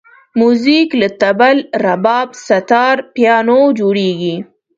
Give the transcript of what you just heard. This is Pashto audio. موزیک له طبل، رباب، ستار، پیانو جوړېږي.